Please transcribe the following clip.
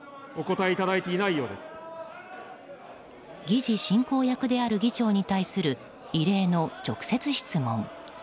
議事進行役である議長に対する異例の直接質問。